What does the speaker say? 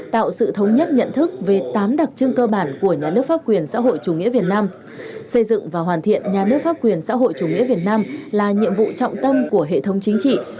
tạo sự thống nhất nhận thức về tám đặc trưng cơ bản của nhà nước pháp quyền xã hội chủ nghĩa việt nam xây dựng và hoàn thiện nhà nước pháp quyền xã hội chủ nghĩa việt nam là nhiệm vụ trọng tâm của hệ thống chính trị